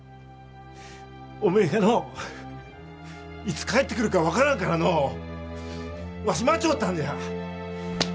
おめえがのういつ帰ってくるか分からんからのうわし待ちょったんじゃ。